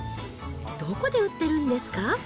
どこで売ってるんですか？